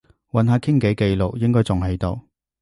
揾下傾偈記錄，應該仲喺度